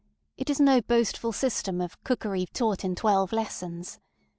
ŌĆØ It is no boastful system of ŌĆ£Cookery Taught in Twelve Lessons.